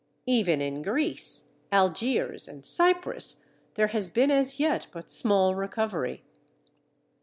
Even in Greece, Algiers, and Cyprus there has been as yet but small recovery.